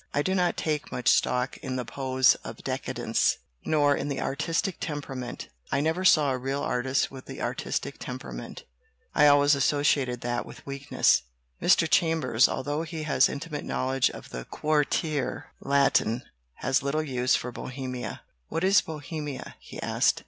I do not take much stock in the pose of 'decadence/ nor in the artistic temperament. I never saw a real artist with the artistic temperament. I always asso ciated that with weakness." Mr. Chambers, although he has intimate knowl edge of the Quartier Latin, has little use for "Bohemia." "What is Bohemia?" he asked.